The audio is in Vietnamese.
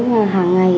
nhưng mà hàng ngày